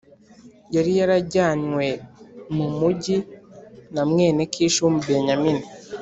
Yari yarajyanywe mu mujyi na mwene Kishi w’Umubenyamini